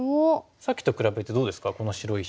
さっきと比べてどうですかこの白石。